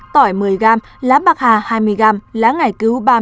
tỏi một mươi g lá bạc hà hai mươi g lá ngải cơm